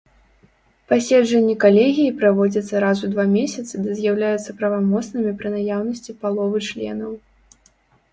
Паседжанні калегіі праводзяцца раз у два месяцы ды з'яўляюцца правамоцнымі пры наяўнасці паловы членаў.